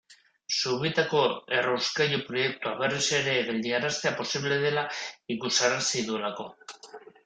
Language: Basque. Zubietako errauskailu proiektua berriz ere geldiaraztea posible dela ikusarazi duelako.